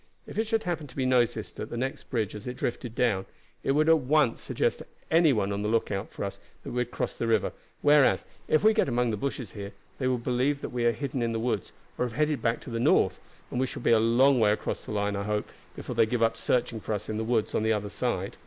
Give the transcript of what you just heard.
If it should happen to be noticed at the next bridge as it drifted down, it would at once suggest to any one on the lookout for us that we had crossed the river; whereas, if we get it among the bushes here, they will believe that we are hidden in the woods or have headed back to the north, and we shall be a long way across the line, I hope, before they give up searching for us in the woods on the other side."